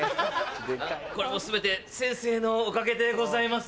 これも全て先生のおかげでございます。